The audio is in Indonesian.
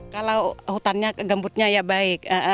kalau hutannya gambutnya ya baik